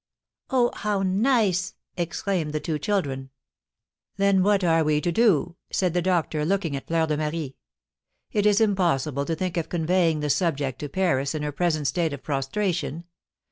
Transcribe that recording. "Oh, how nice!" exclaimed the two children. "Then what are we to do?" said the doctor, looking at Fleur de Marie. "It is impossible to think of conveying the subject to Paris in her present state of prostration.